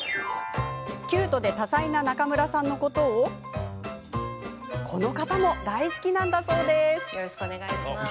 キュートで多才な中村さんをこの方も大好きなんだそうです。